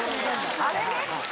あれね。